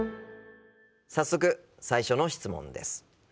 早速最初の質問です。